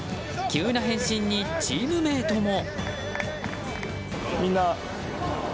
急な変身にチームメートも。